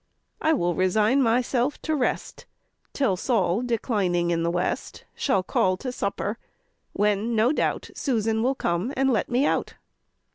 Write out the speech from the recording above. I will resign myself to rest Till Sol, declining in the west, Shall call to supper, when, no doubt, Susan will come and let me out."